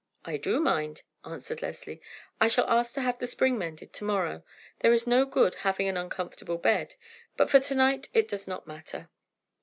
"I do mind," answered Leslie. "I shall ask to have the spring mended to morrow. There is no good in having an uncomfortable bed; but for to night it does not matter."